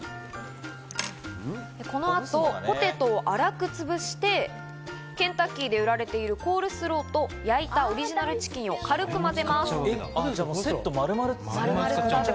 この後ポテトを粗くつぶしてケンタッキーで売られているコールスローと、焼いたオリジナルチキンを軽くまセットを丸々使うんだ。